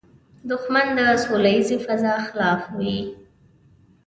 دښمن د سولیزې فضا خلاف وي